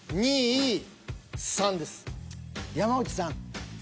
山内さん。